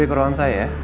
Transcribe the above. ub ke ruangan saya ya